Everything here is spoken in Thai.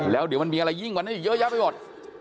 แล้วเดี๋ยวมันมีอะไรยิ่งกว่านี้อีกเยอะแยะไปหมด